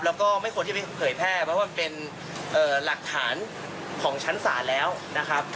แล้วก็ไม่ควรที่ไปเผยแพร่เพราะว่ามันเป็นหลักฐานของชั้นศาลแล้วนะครับ